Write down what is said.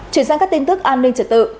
chuyển sang các tin tức an ninh trật tự